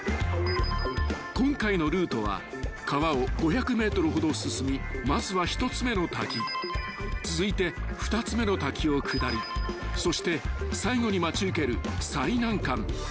［今回のルートは川を５００ｍほど進みまずは１つ目の滝続いて２つ目の滝を下りそして最後に待ち受ける最難関８０ｍの滝に挑む］